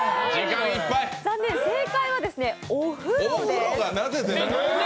正解はお風呂です。